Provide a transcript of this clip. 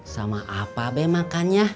sama apa be makannya